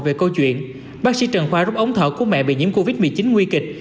về câu chuyện bác sĩ trần khoa rút ống thở của mẹ bị nhiễm covid một mươi chín nguy kịch